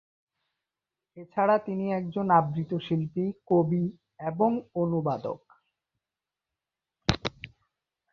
এছাড়া তিনি একজন আবৃত্তি শিল্পী, কবি এবং অনুবাদক।